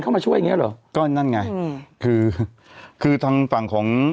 เขารู้ว่ามันมีเรื่องของการเสพยาเรื่องอะไรบนคอนโดอะ